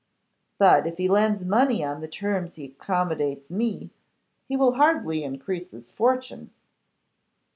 'But if he lends money on the terms he accommodates me, he will hardly increase his fortune.